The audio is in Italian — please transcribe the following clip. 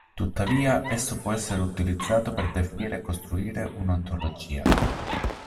Tuttavia, esso può essere utilizzato per definire e costruire un'ontologia.